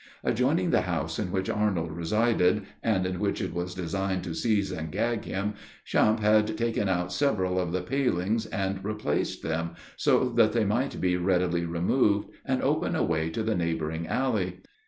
Adjoining the house in which Arnold resided, and in which it was designed to seize and gag him, Champe had taken out several of the palings and replaced them, so that they might be readily removed, and open a way to the neighboring alley.